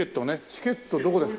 チケットどこで？